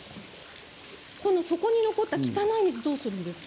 底に残った汚い水はどうするんですか？